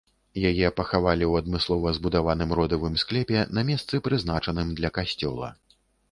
Яе пахавалі ў адмыслова збудаваным родавым склепе, на месцы прызначаным для касцёла.